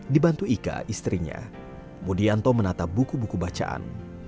dibantu ika istrinya mudianto menata buku buku bacaan